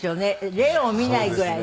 例を見ないぐらいね。